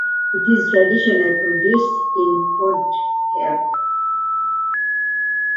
It is traditionally produced in Podhale.